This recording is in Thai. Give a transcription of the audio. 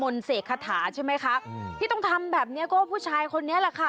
เสกคาถาใช่ไหมคะอืมที่ต้องทำแบบเนี้ยก็ผู้ชายคนนี้แหละค่ะ